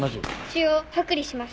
腫瘍剥離します。